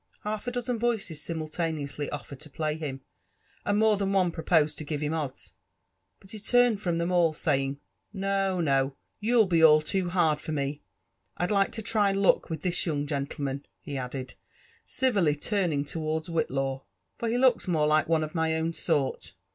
Half a dozen voioas simultaileottsly oflered to play him, and more than one proposed to give him odds; but he turned from tbem all, aay« ing, No, no, you'tt be all too hard for me; I'd like to try luck with this young gentleman," he added, civilly turning towards 'Whitlaw, for he looks more like one of my own sort.